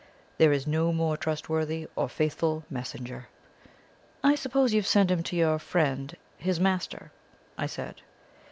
There is no more trustworthy or faithful messenger." "I suppose you have sent him to your friend his master," I said.